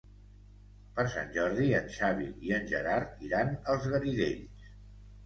Per Sant Jordi en Xavi i en Gerard iran als Garidells.